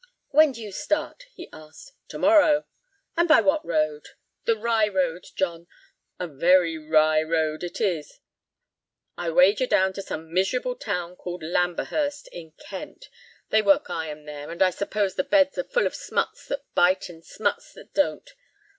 "When do you start?" he asked. "To morrow." "And by what road?" "The Rye road, John—and a wry road it is, I wagerdown to some miserable town called Lamberhurst, in Kent. They work iron there, and I suppose the beds are full of smuts that bite and smuts that don't.